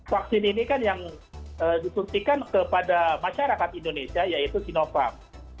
vaksin ini kan yang disuntikan kepada masyarakat indonesia yaitu sinovac